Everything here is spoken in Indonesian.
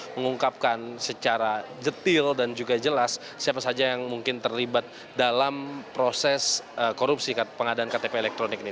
mengungkapkan secara jetil dan juga jelas siapa saja yang mungkin terlibat dalam proses korupsi pengadaan ktp elektronik ini